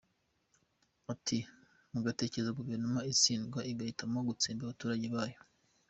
Ati "Mutekereza guverinoma itsindwa igahitamo gutsemba abaturage bayo.